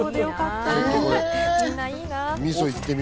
みんないいな。